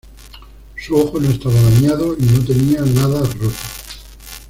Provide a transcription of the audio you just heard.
Su ojo no estaba dañado y no tenía nada roto.